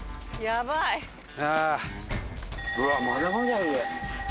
うわっまだまだある上。